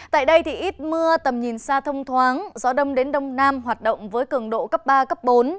tại đây ít mưa tầm nhìn xa thông thoáng gió đông đến đông nam hoạt động với cường độ cấp ba cấp bốn